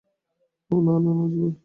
ওহ, না, না, না, জিমি।